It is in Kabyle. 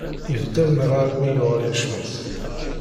Ibeddel merra almi yuɣal yecmet.